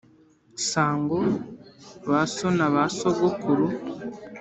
Sango, ba so na ba sogokuru,